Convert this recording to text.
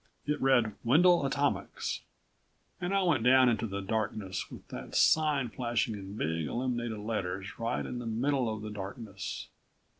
It read: WENDEL ATOMICS. And I went down into the darkness with that sign flashing in big illuminated letters right in the middle of the darkness.